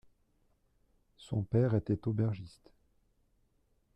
Son père était aubergiste.